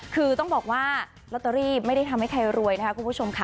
คือต้องบอกว่าลอตเตอรี่ไม่ได้ทำให้ใครรวยนะคะคุณผู้ชมค่ะ